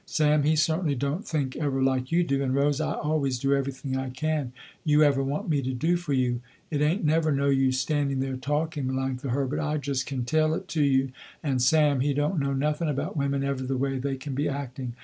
Sam he certainly don't think ever like you do, and Rose I always do everything I can, you ever want me to do for you." "It ain't never no use standing there talking, Melanctha Herbert. I just can tell it to you, and Sam, he don't know nothing about women ever the way they can be acting.